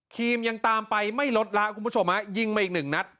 รีมยังตามไปไม่ลดละคุณผู้ชมฮะยิงไปอีกหนึ่งนัด